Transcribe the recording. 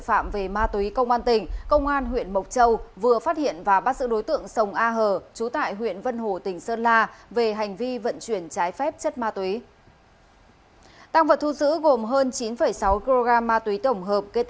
cảm ơn các bạn đã theo dõi